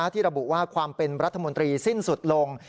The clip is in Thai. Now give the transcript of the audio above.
ที่ระบุว่าความเป็นรัฐมนตรีสิ้นสุดลง